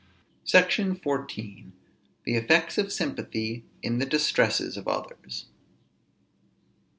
SECTION XIV. THE EFFECTS OF SYMPATHY IN THE DISTRESSES OF OTHERS.